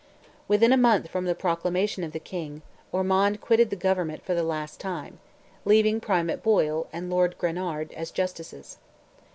Within a month from the proclamation of the King, Ormond quitted the government for the last time, leaving Primate Boyle, and Lord Granard, as Justices.